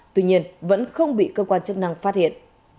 tuy nhiên vẫn không bị công an chức năng phát hiện